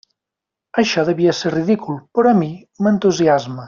Això devia ser ridícul, però a mi m'entusiasma.